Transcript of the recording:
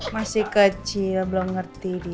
masih kecil belum ngerti